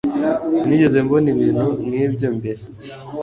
sinigeze mbona ibintu nkibyo mbere